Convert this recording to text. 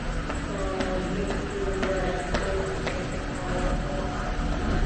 په یوه ګوټ کې یې د ټېنس لوبغالی دی.